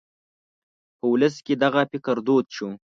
په ولس کې دغه فکر دود شو.